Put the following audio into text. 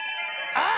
あ！